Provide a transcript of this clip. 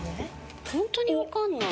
ホントにわからない。